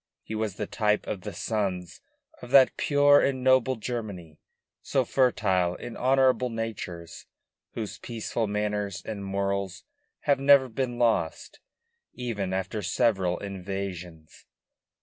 He was the type of the sons of that pure and noble Germany, so fertile in honorable natures, whose peaceful manners and morals have never been lost, even after seven invasions.